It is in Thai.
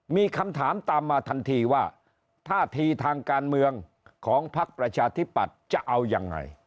มีคำถามตามมาทันทีว่าท่าทีทางการเมืองของพักประชาธิปัตย์จะเอายังไง